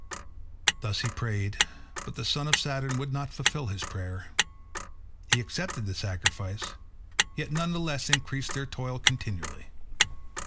Thus he prayed, but the son of Saturn would not fulfil his prayer. He accepted the sacrifice, yet none the less increased their toil continually.